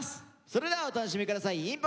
それではお楽しみ下さい。